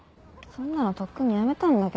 そんなのとっくに辞めたんだけど。